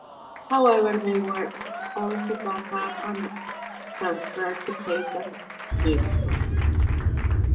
However, they were also backed up and transferred to paper memos.